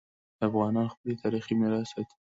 افغانان خپل تاریخي میراث ساتي.